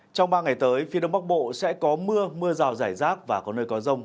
trong ba ngày tới phía đông bắc bộ sẽ có mưa mưa rào rải rác và có nơi có rông